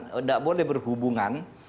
tidak boleh berhubungan